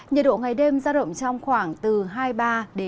nhiệt độ ngày đêm giao động trong khoảng từ hai mươi ba ba mươi một độ